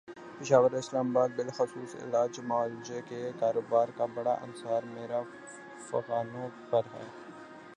پشاور اور اسلام آباد میں بالخصوص علاج معالجے کے کاروبارکا بڑا انحصارامیر افغانوں پر ہے۔